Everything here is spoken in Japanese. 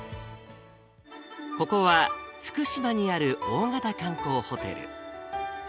ここは、福島にある大型観光ホテル。